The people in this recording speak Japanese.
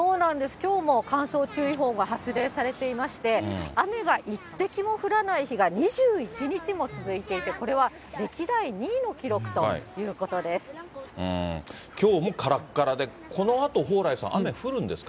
きょうも乾燥注意報が発令されていまして、雨が一滴も降らない日が２１日も続いていて、これは歴代２位の記きょうもからっからで、このあと、蓬莱さん、雨降るんですか？